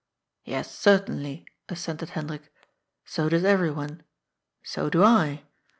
" Yes, certainly," assented Hendrik, " so does everyone. So do I.